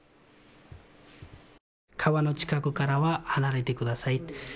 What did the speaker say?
川の近くからは離れてください。